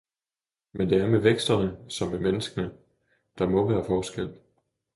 men det er med væksterne, som med menneskene, der må være forskel!